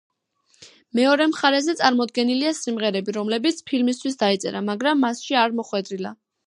მეორე მხარეზე წარმოდგენილია სიმღერები, რომლებიც ფილმისთვის დაიწერა, მაგრამ მასში არ მოხვედრილა.